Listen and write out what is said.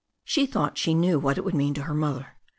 She thought she knew what it would mean to her mother.